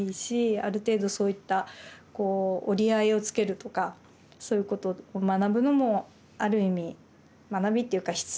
ある程度そういったこう折り合いをつけるとかそういうことを学ぶのもある意味学びっていうか必要だったりするのかなとも思ったり。